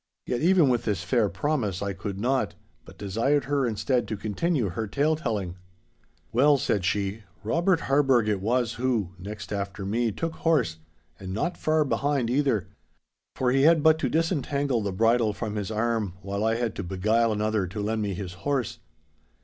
Yet even with this fair promise I could not, but desired her instead to continue her tale telling. 'Well,' said she, 'Robert Harburgh it was who, next after me, took horse—and not far behind either. For he had but to disentangle the bridle from his arm, while I had to beguile another to lend me his horse.